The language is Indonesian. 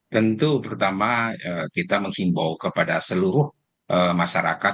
tentu pertama kita menghimbau kepada seluruh masyarakat